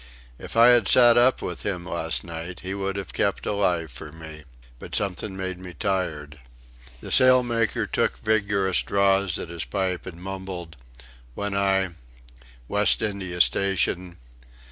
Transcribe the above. If I had sat up with him last night he would have kept alive for me... but something made me tired." The sailmaker took vigorous draws at his pipe and mumbled: "When I... West India Station...